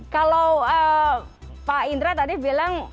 kalau pak indra tadi bilang